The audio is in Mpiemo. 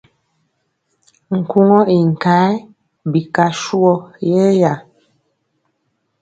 Nkugɔ ii nkayɛ bika suwɔ yɛya.